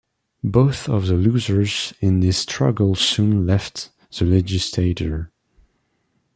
Both of the losers in this struggle soon left the legislature.